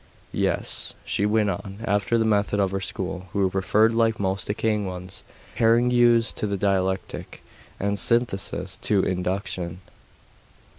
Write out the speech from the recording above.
'Yes' she went on, after the method of her school, who preferred, like most decaying ones, harangues to dialectic, and synthesis to induction....